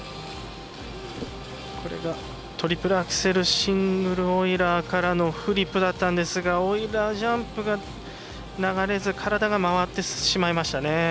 これがトリプルアクセルシングルオイラーからのフリップだったんですがオイラージャンプが流れず、体が回ってしまいましたね。